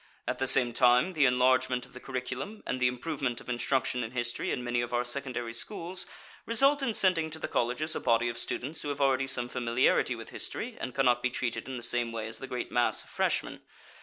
At the same time the enlargement of the curriculum and the improvement of instruction in history in many of our secondary schools result in sending to the colleges a body of students who have already some familiarity with history and cannot be treated in the same way as the great mass of freshmen.